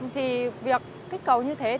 thì việc kích cầu như thế